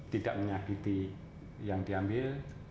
tidak menyakiti yang diambil